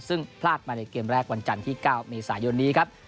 ซึ่งพลาดมาในเกมแรกวันจันทร์ที่๙เมษายนนี้ครับ